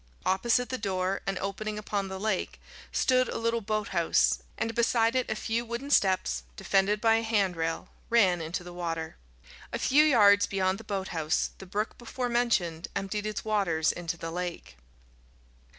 Opposite the door, and opening upon the lake, stood a little boathouse, and beside it a few wooden steps, defended by a handrail, ran into the water. A few yards beyond the boathouse the brook before mentioned emptied its waters into the lake.